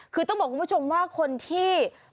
คือต้องบอกคุณผู้ชมว่าคนที่